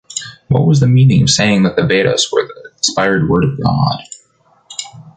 What was the meaning of saying that the Vedas were the inspired word of God?